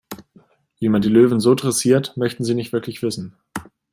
Wie man die Löwen so dressiert, möchten Sie nicht wirklich wissen.